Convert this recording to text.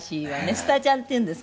スタジャンっていうんですか？